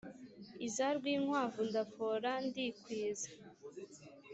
Iza Rwinkwavu Ndafora ndikwiza